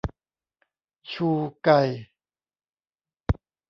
ชูไก